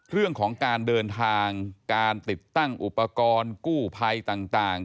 เรื่องของการเดินทางการติดตั้งอุปกรณ์กู้ภัยต่าง